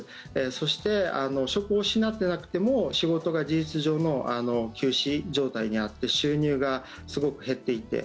そして、職を失ってなくても仕事が事実上の休止状態にあって収入がすごく減っていて。